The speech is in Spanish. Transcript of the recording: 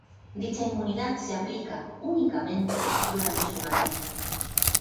Dicha inmunidad se aplica únicamente durante su mandato.